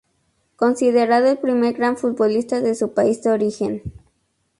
Considerado el primer gran futbolista de su país de origen.